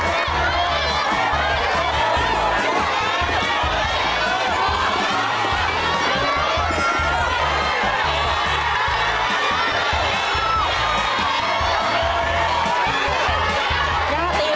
ย่าจะเสร็จแล้วทุกคน